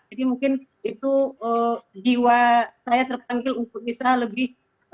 jadi mungkin itu jiwa saya terpanggil untuk bisa lebih